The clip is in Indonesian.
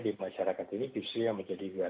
di masyarakat ini justru yang menjadi